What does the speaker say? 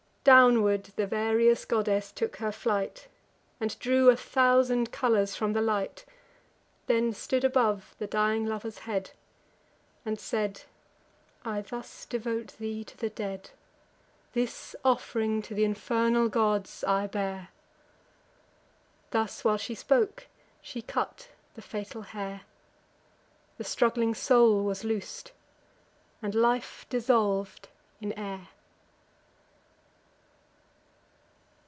Downward the various goddess took her flight, And drew a thousand colours from the light; Then stood above the dying lover's head, And said: "I thus devote thee to the dead. This off'ring to th' infernal gods I bear." Thus while she spoke, she cut the fatal hair: The struggling soul was loos'd, and life dissolv'd in air.